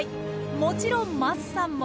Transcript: もちろん桝さんも。